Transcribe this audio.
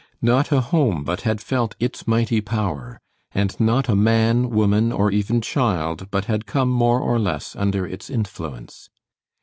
Not a home but had felt its mighty power, and not a man, woman, or even child but had come more or less under its influence.